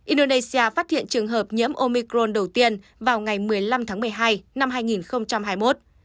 indonesia phát hiện trường hợp nhiễm omicron đầu tiên vào ngày một mươi năm tháng một mươi hai năm hai nghìn hai mươi một